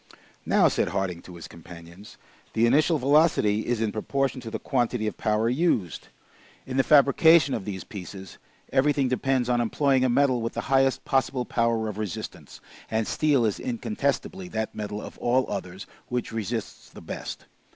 "Now," said Harding to his companions, "the initial velocity is in proportion to the quantity of powder used. In the fabrication of these pieces, everything depends on employing a metal with the highest possible power of resistance, and steel is incontestably that metal of all others which resists the best.